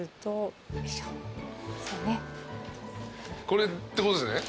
これってことですよね？